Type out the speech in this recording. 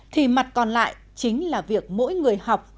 thì mặt còn lại chính là việc mỗi người học